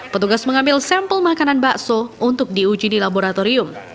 petugas mengambil sampel makanan bakso untuk diuji di laboratorium